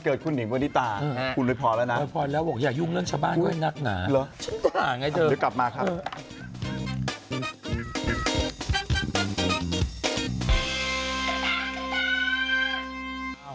เกิดคุณหิ๋วันดิตาพอแล้วอย่ายุ่งเรื่องเฉพาะนักหนาหาไอ้เธอ